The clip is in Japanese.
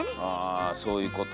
あそういうことですね。